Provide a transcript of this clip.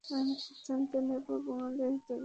আমি সিদ্ধান্ত নেব এবং আদেশ দেব।